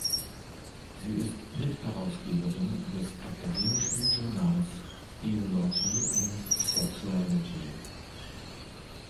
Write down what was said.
Sie ist Mitherausgeberin des akademischen Journals "Theology und Sexuality".